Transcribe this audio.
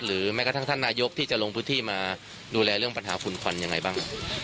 แม้กระทั่งท่านนายกที่จะลงพื้นที่มาดูแลเรื่องปัญหาฝุ่นควันยังไงบ้าง